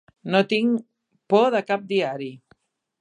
No tinc por de cap diari.